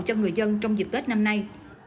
cho người dân trong dịp tết năm nay